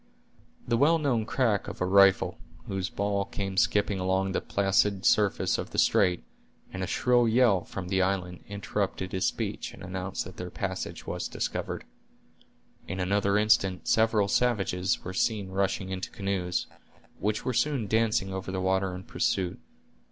The well known crack of a rifle, whose ball came skipping along the placid surface of the strait, and a shrill yell from the island, interrupted his speech, and announced that their passage was discovered. In another instant several savages were seen rushing into canoes, which were soon dancing over the water in pursuit.